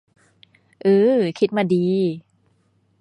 อือ คิดมาดี